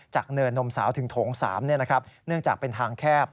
เนินนมสาวถึงโถง๓เนื่องจากเป็นทางแคบ